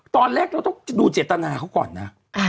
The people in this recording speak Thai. ตอนแรกเราต้องดูเจตนาเขาก่อนนะ